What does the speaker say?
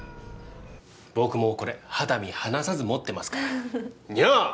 僕もうこれ肌身離さず持ってますからニャー！